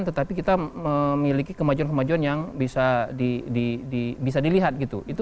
tetapi kita memiliki kemajuan kemajuan yang bisa dilihat gitu